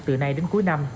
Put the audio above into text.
từ nay đến cuối năm